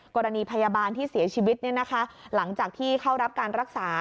กรณีพยาบาลที่เสียชีวิตหลังจากที่เข้ารับการรักษา